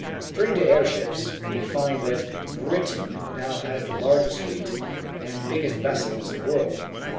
Airships Turning to airships, we find that Britain now has the largest fleet and biggest vessels in the world.